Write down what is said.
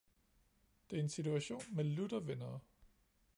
Det er en situation med lutter vindere.